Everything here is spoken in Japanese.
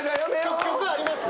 曲あります？